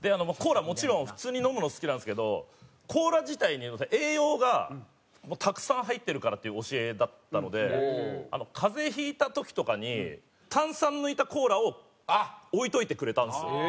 コーラもちろん普通に飲むのも好きなんですけどコーラ自体に栄養がたくさん入ってるからっていう教えだったので風邪引いた時とかに炭酸抜いたコーラを置いといてくれたんですよ。